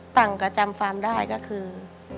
ต่างกับจำฟังได้ก็คือ